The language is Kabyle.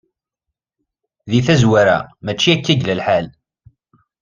Di tazwara, mačči akka i yella lḥal.